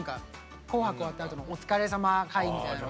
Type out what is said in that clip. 「紅白」終わったあとのお疲れさま会みたいな。